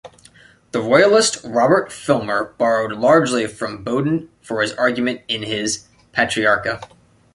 The royalist Robert Filmer borrowed largely from Bodin for his argument in his "Patriarcha".